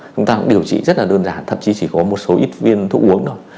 chúng ta cũng điều trị rất là đơn giản thậm chí chỉ có một số ít viên thuốc uống thôi